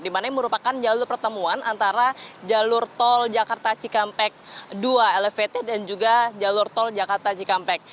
dimana ini merupakan jalur pertemuan antara jalur tol jakarta cikampek dua elevated dan juga jalur tol jakarta cikampek